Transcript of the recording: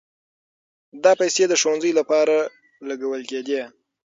دا پيسې د ښوونځيو لپاره لګول کېدې.